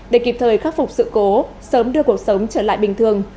để kịp thời khắc phục sự cố sớm đưa cuộc sống trở lại bình thường